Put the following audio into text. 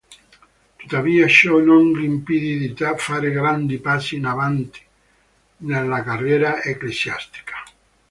Tuttavia, ciò non gli impedì di fare grandi passi in avanti nella carriera ecclesiastica.